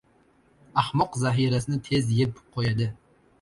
• Ahmoq zahirasini tez yeb qo‘yadi.